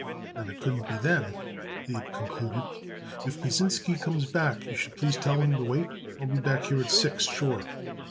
"Then it couldn't be them," Abe concluded. "If Pasinsky comes back you should please tell him to wait. I will be back here at six, sure."